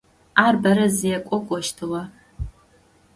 Ар бэрэ зекӏо кӏощтыгъэ.